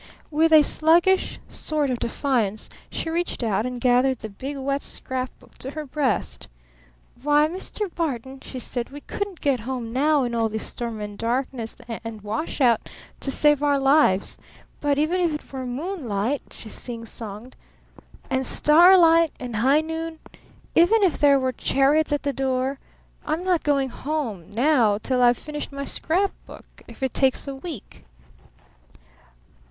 With a sluggish sort of defiance she reached out and gathered the big wet scrap book to her breast. "Why, Mr. Barton," she said, "we couldn't get home now in all this storm and darkness and wash out to save our lives. But even if it were moonlight," she singsonged, "and starlight and high noon; even if there were chariots at the door, I'm not going home now till I've finished my scrap book if it takes a week."